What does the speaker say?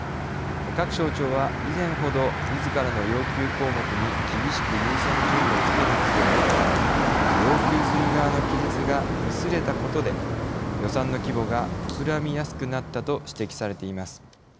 各省庁は、以前ほど自らの要求項目に厳しく優先順位をつけなくてもよくなり要求する側の規律が薄れたことで予算の規模が膨らみやすくなったと指摘されています。